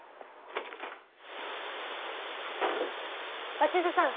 ・鷲津さん